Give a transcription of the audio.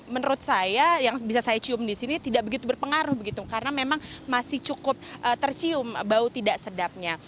menurut saya yang bisa saya cium di sini tidak begitu berpengaruh begitu karena memang masih cukup tercium bau tidak sedapnya